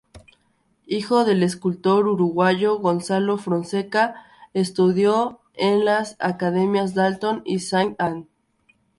Hijo del escultor uruguayo Gonzalo Fonseca, estudió en las academias Dalton y Saint Ann.